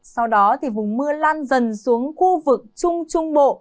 sau đó vùng mưa lan dần xuống khu vực trung trung bộ